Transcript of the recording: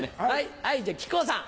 じゃあ木久扇さん。